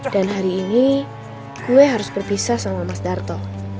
dan hari ini gue harus berpisah sama mas darto